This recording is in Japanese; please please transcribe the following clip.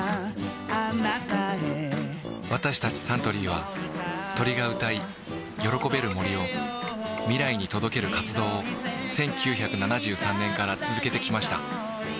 私たちサントリーは鳥が歌い喜べる森を未来に届ける活動を１９７３年から続けてきました